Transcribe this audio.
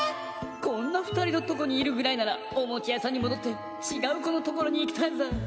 「こんなふたりのとこにいるぐらいならおもちゃやさんにもどってちがうこのところにいきたいぜ」。